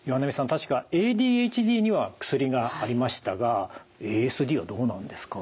確かＡＤＨＤには薬がありましたがＡＳＤはどうなんですか？